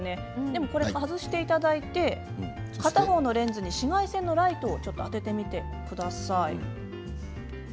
でもこれ外していただいて片方のレンズに紫外線のライトをちょっと当ててみてください。